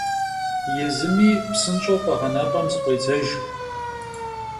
Yêzımi psınş'eu khueğenap'em zıkhuêdzejj.